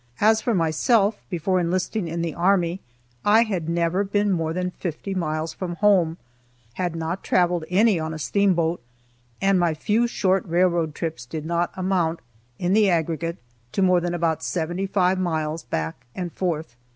As for myself, before enlisting in the army I had never been more than fifty miles from home, had not traveled any on a steamboat, and my few short railroad trips did not amount, in the aggregate, to more than about seventy five miles, back and forth.